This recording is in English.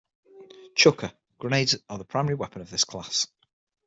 Chucker: Grenades are the primary weapon of this class.